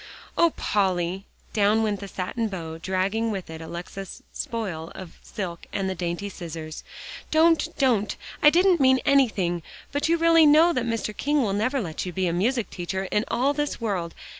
"Oh, Polly!" down went the satin bow dragging with it Alexia's spool of silk and the dainty scissors. "Don't don't I didn't mean anything; but you really know that Mr. King will never let you be a music teacher in all this world.